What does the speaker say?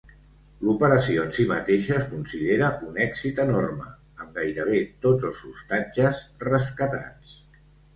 L'operació en si mateixa es considera un èxit enorme amb gairebé tots els ostatges rescatats.